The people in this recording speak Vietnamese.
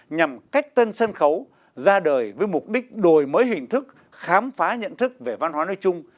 nhằm cách tân sân khấu ra đời với mục đích đổi mới hình thức khám phá nhận thức về văn hóa nơi chung